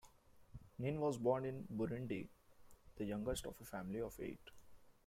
Nin was born in Burundi, the youngest of a family of eight.